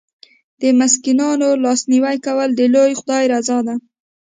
د مسکینانو لاسنیوی کول د لوی خدای رضا ده.